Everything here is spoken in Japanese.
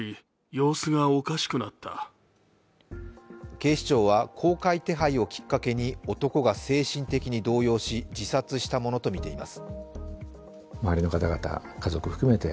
警視庁は公開手配をきっかけに男が精神的に動揺し、自殺したものとみています。